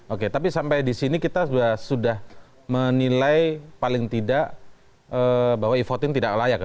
oke tapi sampai di sini kita sudah menilai paling tidak bahwa e voting tidak layak ya